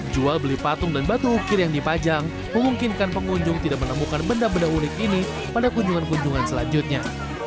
jual beli patung dan batu ukir yang dipajang memungkinkan pengunjung tidak menemukan benda benda unik ini pada kunjungan kunjungan selanjutnya